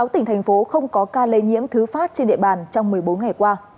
sáu tỉnh thành phố không có ca lây nhiễm thứ phát trên địa bàn trong một mươi bốn ngày qua